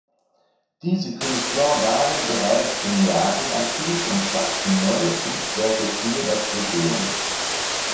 Diese Künstler waren bereits in Neapel aktiv und schafften neue Kunstwerke für das Museum.